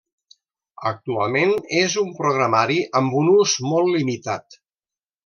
Actualment és un programari amb un ús molt limitat.